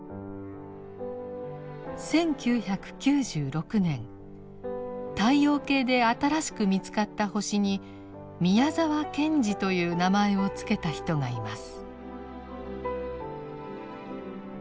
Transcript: １９９６年太陽系で新しく見つかった星に「宮沢賢治」という名前を付けた人がいます。